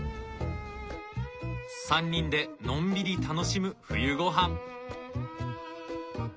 ３人でのんびり楽しむ冬ごはん。